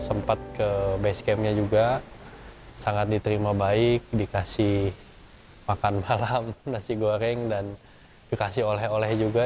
sempat ke base campnya juga sangat diterima baik dikasih makan malam nasi goreng dan dikasih oleh oleh juga